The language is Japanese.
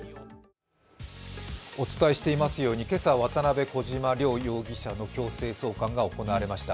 お伝えしていますように、今朝、渡辺・小島両容疑者の強制送還が行われました。